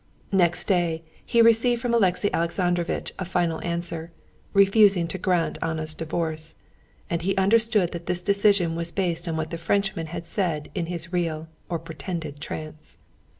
Next day he received from Alexey Alexandrovitch a final answer, refusing to grant Anna's divorce, and he understood that this decision was based on what the Frenchman had said in his real or pretended trance.